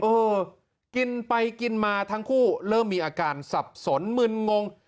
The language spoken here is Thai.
เออกินไปกินมาทั้งคู่เริ่มมีอาการสับสนมึนงง